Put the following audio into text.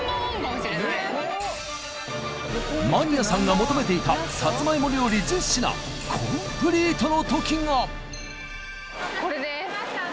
マニアさんが求めていたさつまいも料理１０品コンプリートの時が！